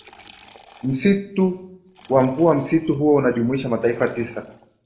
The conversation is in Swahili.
msitu wa mvua Msitu huo unajumuisha mataifa tisa